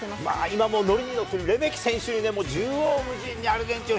今もうのりにのってるレメキ選手に縦横無尽に、アルゼンチン